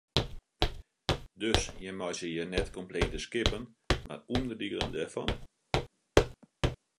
Dus jim meitsje hjir net komplete skippen mar ûnderdielen dêrfan?